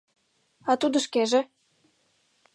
А тудо шкеже?